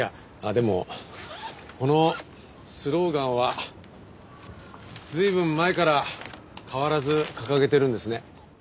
でもこのスローガンは随分前から変わらず掲げてるんですね。